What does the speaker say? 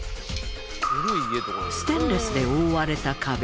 ステンレスで覆われた壁。